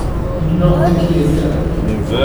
You do not think he is ill?